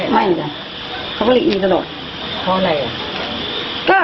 ไม่จ้ะเขาก็เลยอีตลอดเพราะอะไรอ่ะ